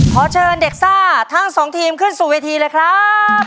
ขอเชิญเด็กซ่าทั้งสองทีมขึ้นสู่เวทีเลยครับ